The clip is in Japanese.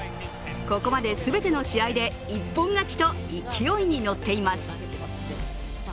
ここまで全ての試合で一本勝ちと勢いに乗っています。